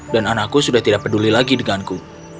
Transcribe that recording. dan anakku sudah tidak peduli lagi denganku